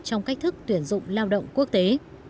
trong cách thức tuyển dụng lao động quốc tế